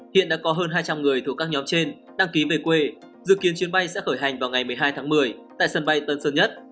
hiện đã có hơn hai trăm linh người thuộc các nhóm trên đăng ký về quê dự kiến chuyến bay sẽ khởi hành vào ngày một mươi hai tháng một mươi tại sân bay tân sơn nhất